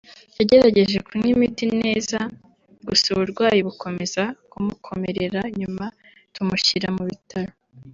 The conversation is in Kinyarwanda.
yagerageje kunywa imiti neza gusa uburwayi bukomeza kumukomerera nyuma tumushyira mu bitaro